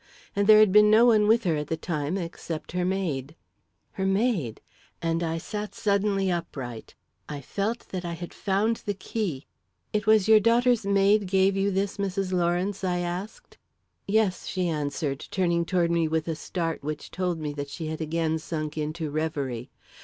And there had been no one with her at the time except her maid. Her maid! And I sat suddenly upright; I felt that I had found the key! "It was your daughter's maid gave you this, Mrs. Lawrence?" I asked. "Yes," she answered, turning toward me with a start which told me that she had again sunk into reverie.